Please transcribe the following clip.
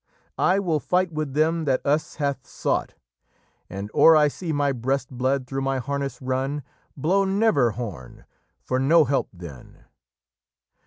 "I will fight with them that us hathe sought And or I se my brest blod throughe my harnes ryn Blow never horn for no help then."